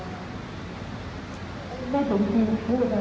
ในเวลาที่นี่มีคนก็ไม่ได้